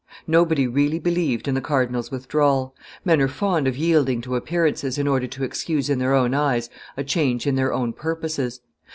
Nobody really believed in the cardinal's withdrawal; men are fond of yielding to appear ances in order to excuse in their own eyes a change in their own purposes.